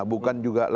bukan juga lakonannya